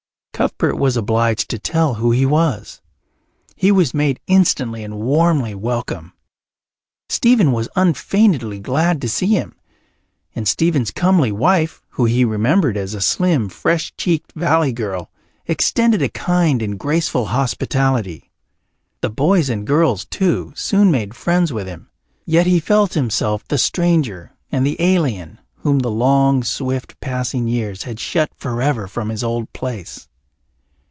Cuthbert was obliged to tell who he was. He was made instantly and warmly welcome. Stephen was unfeignedly glad to see him, and Stephen's comely wife, whom he remembered as a slim, fresh cheeked valley girl, extended a kind and graceful hospitality. The boys and girls, too, soon made friends with him. Yet he felt himself the stranger and the alien, whom the long, swift passing years had shut forever from his old place.